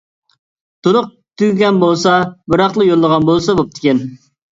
تولۇق تۈگىگەن بولسا بىراقلا يوللىغان بولسىلا بوپتىكەن.